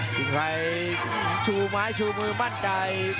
ใครชูไม้ชูมือมั่นใจ